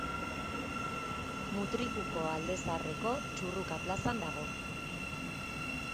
Mutrikuko Alde Zaharreko Txurruka plazan dago.